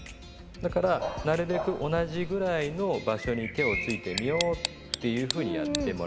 だからなるべく同じぐらいの場所に手をついてみようっていうふうにやってもらって。